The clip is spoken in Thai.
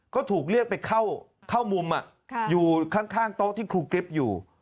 ก็ถูกเรียกไปเข้ามุมอยู่ข้างโต๊ะที่ครูกริ๊บอยู่